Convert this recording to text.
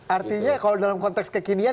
artinya kalau dalam konteks kekinian